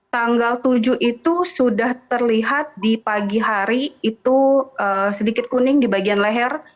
tanggal tujuh itu sudah terlihat di pagi hari itu sedikit kuning di bagian leher